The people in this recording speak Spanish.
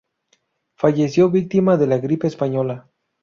Falleció víctima de la gripe española.